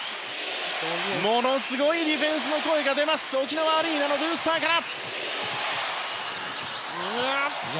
ものすごいディフェンスの声が出ます沖縄アリーナのブースターから。